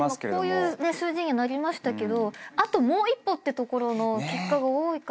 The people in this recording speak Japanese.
こういう数字にはなりましたけどあともう一歩って結果が多いから。